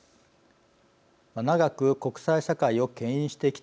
長く国際社会をけん引してきたＧ７。